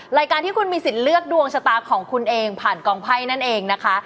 รายการที่คุณมีสิทธิ์เลือกดวงชะตาของคุณเองผ่านกองไพ่นั่นเองนะคะ